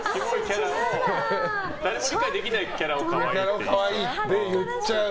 誰も理解できないキャラを可愛いって。